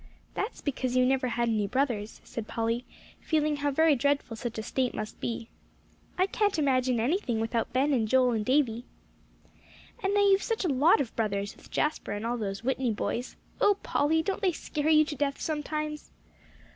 "That's because you never had any brothers," said Polly, feeling how very dreadful such a state must be. "I can't imagine anything without Ben and Joel and Davie." "And now you've such a lot of brothers, with Jasper and all those Whitney boys; oh, Polly, don't they scare you to death sometimes?"